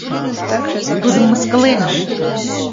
Тудым мыскыленыт!